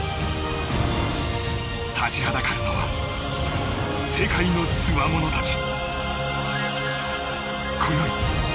立ちはだかるは世界のつわものたち。